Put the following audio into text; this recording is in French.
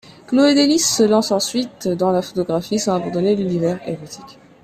Chloé des Lysses se lance ensuite dans la photographie, sans abandonner l'univers érotique.